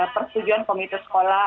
persetujuan komite sekolah